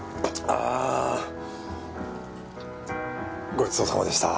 ごちそうさまでした。